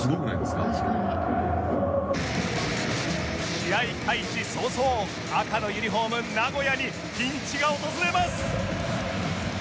試合開始早々赤のユニホーム名古屋にピンチが訪れます